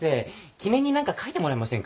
記念に何か書いてもらえませんか？